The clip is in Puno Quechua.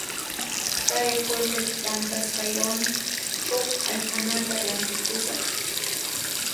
Kay qullqi tantakusqaywan huk hayt'anata rantikusaq.